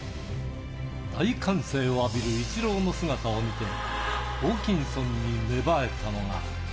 大歓声を浴びるイチローの姿を見て、ホーキンソンに芽生えたのが。